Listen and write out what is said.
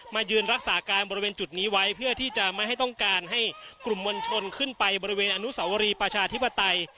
ยืนรักษาการบริเวณจุดนี้ไว้เพื่อที่จะไม่ให้ต้องการให้กลุ่มมวลชนขึ้นไปบริเวณอนุสาวรีประชาธิปไตย